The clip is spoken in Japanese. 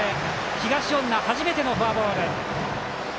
東恩納、初めてのフォアボール。